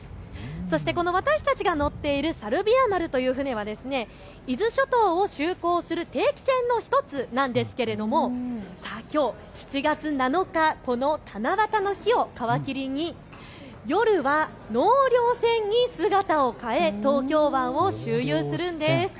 そしてこの私たちが乗っているさるびあ丸という船は伊豆諸島を就航する定期船の１つなんですけれどもきょう７月７日、この七夕の日を皮切りに夜は納涼船に姿を変え東京湾を周遊するんです。